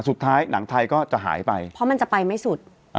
หนังไทยก็จะหายไปเพราะมันจะไปไม่สุด